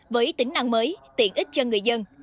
với tính năng mới tiện ích cho người dân